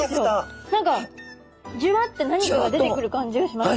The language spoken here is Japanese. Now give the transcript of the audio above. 何かジュワッて何かが出てくる感じがしました。